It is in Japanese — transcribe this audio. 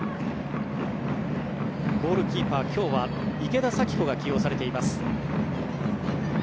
ゴールキーパー、今日は池田咲紀子が起用されています。